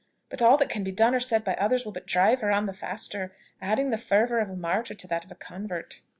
But all that can be done or said by others will but drive her on the faster, adding the fervour of a martyr to that of a convert."